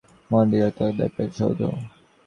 মার্তণ্ড মন্দির এক অদ্ভুত প্রাচীন সৌধ।